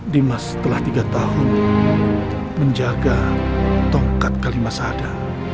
dimas setelah tiga tahun menjaga tongkat kalimah sahada